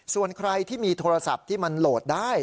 ส่วนใครที่มีโทรศัพท์ที่มันโหลดได้